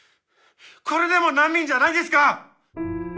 これでも難民じゃないですか！